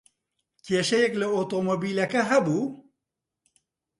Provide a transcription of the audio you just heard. کێشەیەک لە ئۆتۆمۆبیلەکە ھەبوو؟